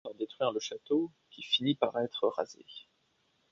Guerre qui finit par détruire le château qui finit par être rasé.